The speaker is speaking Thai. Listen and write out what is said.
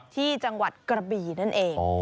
ที่จังหวัดกระบีนั่นเอง